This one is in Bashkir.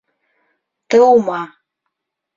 - Тыума!